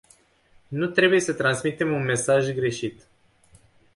Nu trebuie să transmitem un mesaj greșit.